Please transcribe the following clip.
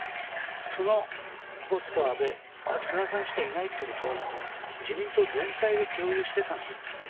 そのポスト安倍は菅さんしかいないということは自民党全体で共有してたんですね。